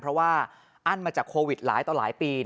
เพราะว่าอั้นมาจากโควิดหลายต่อหลายปี